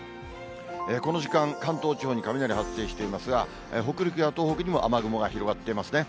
この時間、関東地方に雷発生していますが、北陸や東北にも雨雲が広がっていますね。